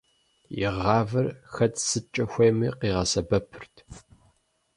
И гъавэр хэт сыткӏэ хуейми къигъэсэбэпырт.